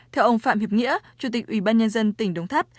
theo ông phạm hiệp nghĩa chủ tịch ubnd tỉnh đồng tháp